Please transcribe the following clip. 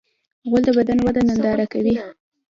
غول د بدن وده ننداره کوي.